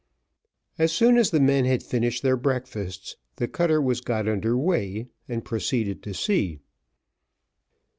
As soon as the men had finished their breakfasts, the cutter was got under weigh and proceeded to sea.